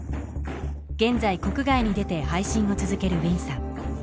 現在国外に出て配信を続けるウィンさん